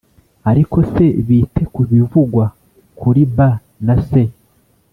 Ariko se bite ku bivugwa kuri B na C